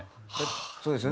そうですよね。